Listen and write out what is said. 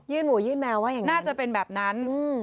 ยื่นหมู่ยื่นแมวว่าอย่างนั้นน่าจะเป็นแบบนั้น